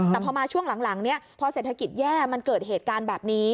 แต่พอมาช่วงหลังพอเศรษฐกิจแย่มันเกิดเหตุการณ์แบบนี้